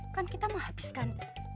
kan kita menghabiskan